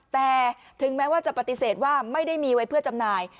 แต่ถึงแม้ว่าจะปฏิเสธว่าไม่ได้มีไว้เพื่อจำหน่าย